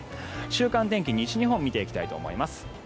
週間天気、西日本を見ていきたいと思います。